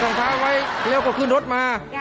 ถอดตรงเท้าไว้เร็วก็ขึ้นรถมา